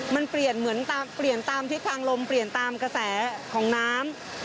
มันเปลี่ยนตามที่ทางลมเปลี่ยนตามกระแสของน้ำ